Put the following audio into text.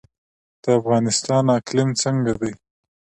د افغانستان اقلیم څنګه دی؟